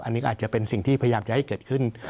อันนี้อาจจะเป็นสิ่งที่พยายามจะให้เกิดขึ้น